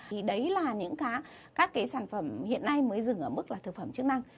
thì đấy là những cái các cái sản phẩm hiện nay mới dừng ở mức là thực phẩm chức năng